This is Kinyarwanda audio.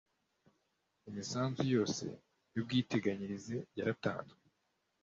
imisanzu yose y ubwiteganyirize yaratanzwe